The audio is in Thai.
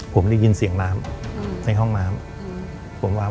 ผมได้ยินเสียงน้ำในห้องน้ำผมว่า